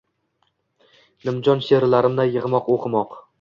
nimjon sheʼrlarimni yigʼlab oʼqimoq.